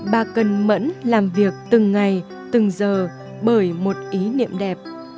bà cần mẫn làm việc từng ngày từng giờ bởi một ý niệm đẹp